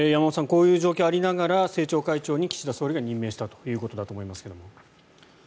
こういう状況がありながら政調会長に岸田総理が任命したということだと思いますが。